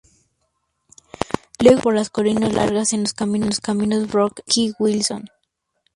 Luego, pasaron por las colinas largas en los caminos Brook y Wilkinson.